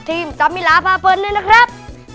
พี่พัดเจอตื่ม